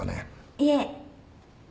いえ。